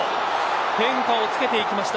変化を付けていきました。